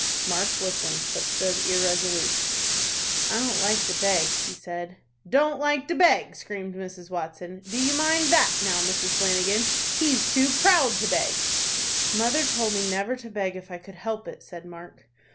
Mark listened, but stood irresolute: "I don't like to beg," he said. "Don't like to beg!" screamed Mrs. Watson. "Do you mind that, now, Mrs. Flanagan? He's too proud to beg." "Mother told me never to beg if I could help it," said Mark.